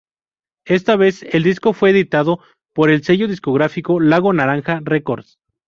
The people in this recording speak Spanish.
Esta vez el disco fue editado por el sello discográfico Lago Naranja Records.